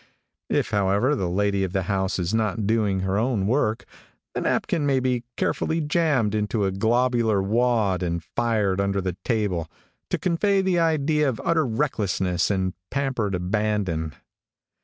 If, however, the lady of the house is not doing her own work, the napkin may be carefully jammed into a globular wad, and fired under the table, to convey the idea of utter recklessness and pampered abandon.